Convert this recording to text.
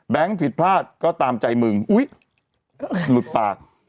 ผิดพลาดก็ตามใจมึงอุ๊ยหลุดปาก